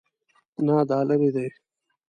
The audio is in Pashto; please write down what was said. نه، دا لیرې دی